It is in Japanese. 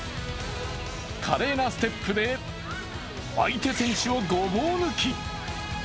華麗なステップで開いて選手をごぼう抜き。